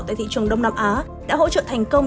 tại thị trường đông nam á đã hỗ trợ thành công